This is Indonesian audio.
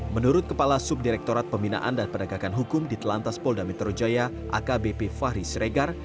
menurut kepala subdirektorat pembinaan dan penegakan hukum di telantas polda metro jaya akbp fahri siregar